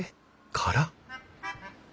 空。